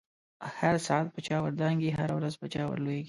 هر ساعت په چاور دانګی، هزه ورځ په چا ور لويږی